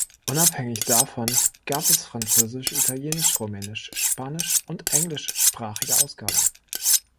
Unabhängig davon gab es französisch-, italienisch-, rumänisch-, spanisch- und englisch-sprachige Ausgaben.